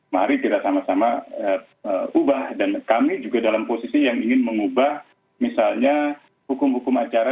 mari kita sama sama ubah dan kami juga dalam posisi yang ingin mengubah misalnya hukum hukum acara